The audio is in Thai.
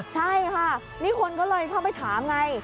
ใช่ค่ะนี่คนก็เลยเข้าไปถามไง